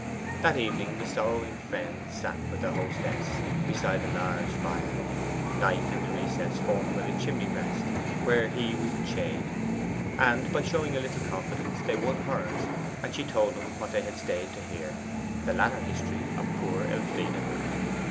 That evening the sorrowing friends sat with their hostess beside the large fire, Knight in the recess formed by the chimney breast, where he was in shade. And by showing a little confidence they won hers, and she told them what they had stayed to hear the latter history of poor Elfride.